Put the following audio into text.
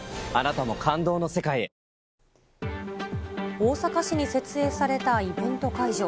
大阪市に設営されたイベント会場。